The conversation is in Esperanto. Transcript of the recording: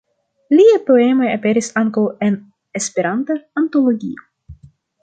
Liaj poemoj aperis ankaŭ en "Esperanta Antologio".